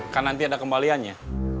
kan nanti ada kembaliannya